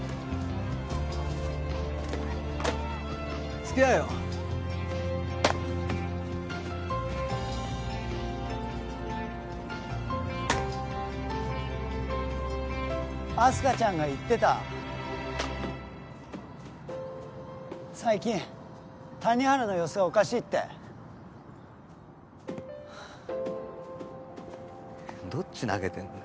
付き合えよ明日香ちゃんが言ってた最近谷原の様子がおかしいってどっち投げてんだよ